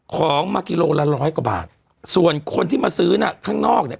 ของมากิโลละร้อยกว่าบาทส่วนคนที่มาซื้อน่ะข้างนอกเนี่ย